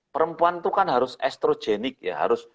perempuan itu kan harus estrogenik ya harus